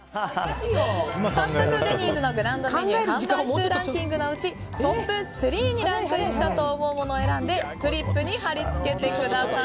早速、デニーズのグランドメニュー販売数ランキングのうちトップ３にランクインしたと思うものを選んでフリップに貼り付けてください。